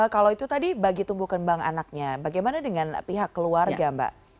kalau itu tadi bagi tumbuh kembang anaknya bagaimana dengan pihak keluarga mbak